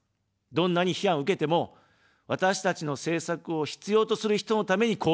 どんなに批判を受けても、私たちの政策を必要とする人のために行動する。